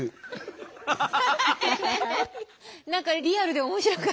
何かリアルで面白かった。